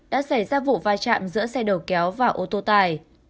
đã xảy ra vụ vai trạm giữa xe đầu kéo và ô tô tải